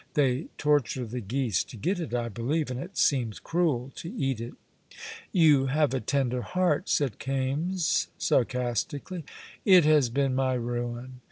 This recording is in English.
They torture the geese to get it, I believe, and it seems cruel to eat it." "You have a tender heart," said Kaimes, sarcastically. "It has been my ruin.